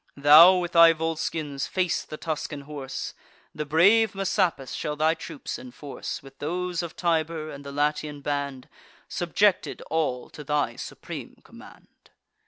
Thou, with thy Volscians, face the Tuscan horse; The brave Messapus shall thy troops enforce With those of Tibur, and the Latian band, Subjected all to thy supreme command."